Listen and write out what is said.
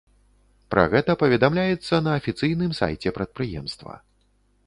Пра гэта паведамляецца на афіцыйным сайце прадпрыемства.